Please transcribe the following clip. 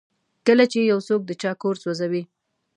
کله چې یو څوک د چا کور سوځوي.